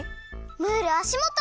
ムールあしもと！